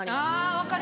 分かる！